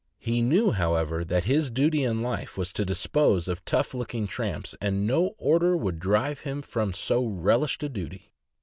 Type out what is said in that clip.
He knew, however, that his duty in life was to dispose of tough looking tramps, and no order would drive him from so relished a duty.